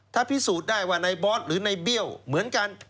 ถ้าพิสูจน์ได้ว่าในบอสหรือในเบี้ยวเหมือนกัน